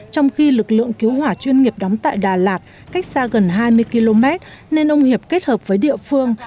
trong khi lực lượng cứu hỏa chuyên nghiệp đóng tại đà lạt cách xa gần hai mươi km nên ông hiệp kết hợp với địa phương